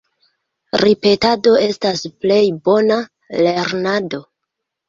Ripetado estas plej bona lernado.